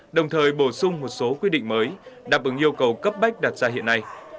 đồng thời bổ sung một số quy định mới đáp ứng yêu cầu cấp bách đặt ra hiện nay